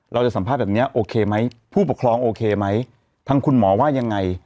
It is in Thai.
เราจะสัมภาษณ์แบบนี้โอเคไหมผู้ปกครองโอเคไหมทางคุณหมอว่ายังไง